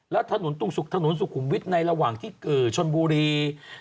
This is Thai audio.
และถนนสุขุมวิทในระหว่างที่ชนบุรี